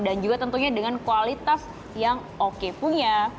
dan juga tentunya dengan kualitas yang oke punya